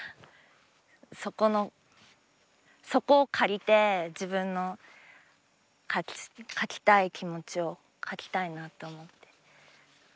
そこのそこを借りて自分の描きたい気持ちを描きたいなって思って。